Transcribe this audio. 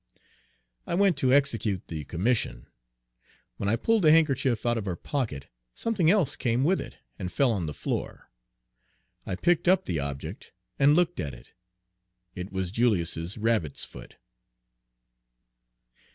I went to execute the commission. When I pulled the handkerchief out of her pocket, something else came with it and fell on the floor. I picked up the object and looked at it. It was Julius's rabbit's foot.